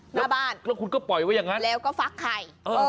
หน้าบ้านก็คุณก็ปล่อยไว้อย่างนั้นแล้วก็ฟักไข่